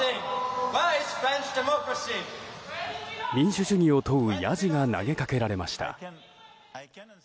民主主義を問うヤジが投げかけられました。